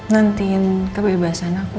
nantiin kebebasan aku